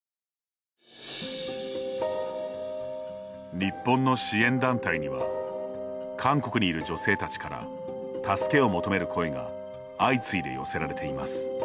日本の支援団体には韓国にいる女性たちから助けを求める声が相次いで寄せられています。